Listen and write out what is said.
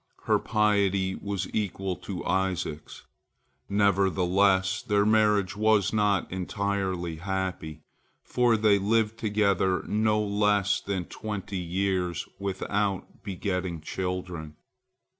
Her piety was equal to Isaac's. Nevertheless their marriage was not entirely happy, for they lived together no less than twenty years without begetting children.